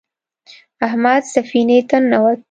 احمد سفینې ته ننوت.